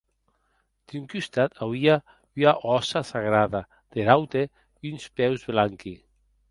D’un costat auie ua hòssa sagrada; der aute uns peus blanqui.